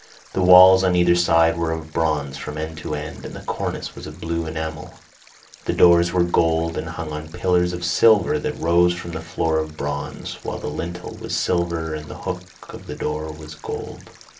The walls on either side were of bronze from end to end, and the cornice was of blue enamel. The doors were gold, and hung on pillars of silver that rose from a floor of bronze, while the lintel was silver and the hook of the door was of gold.